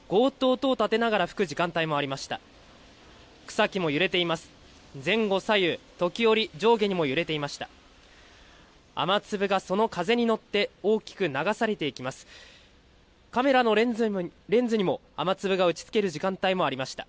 ごーっと音を立てながら吹く時間帯もありました。